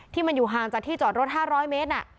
ที่มันอยู่ห่างจากที่จอดรถ๕๐๐เมตร